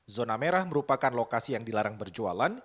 zona merah merupakan lokasi yang dilarang berjualan